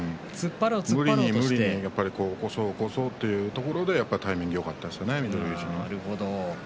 無理に無理に起こそう起こそうというところでタイミングがよかったですね、翠